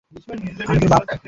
আমি তোর বাপ।